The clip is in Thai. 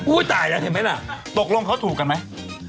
จริงต่างกันใหม่ตกลงเขาถูกกันไหม